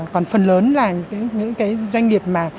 còn phần lớn là những cái doanh nghiệp mà